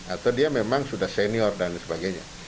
atau dia memang sudah senior dan sebagainya